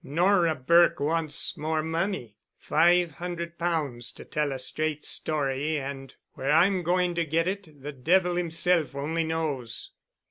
Nora Burke wants more money—five hundred pounds to tell a straight story and where I'm going to get it—the devil himself only knows."